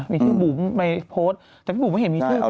มีชื่อบุ๋มไปโพสต์แต่พี่บุ๋มไม่เห็นมีชื่อคน